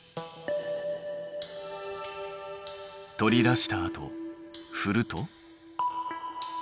取り出したあとふると？